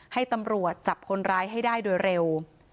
ให้ตำรวจจับคนร้ายให้ได้โดยเร็ว